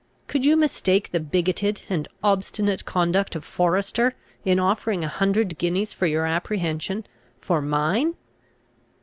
Could you mistake the bigoted and obstinate conduct of Forester, in offering a hundred guineas for your apprehension, for mine?